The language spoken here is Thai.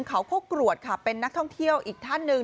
เขาโคกรวดค่ะเป็นนักท่องเที่ยวอีกท่านหนึ่ง